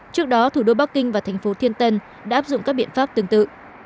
trước đó thủ đô bắc kinh và thành phố thiên tân đã áp dụng các biện pháp tương tự